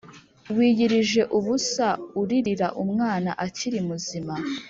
Wiyirije ubusa uririra umwana akiri muzima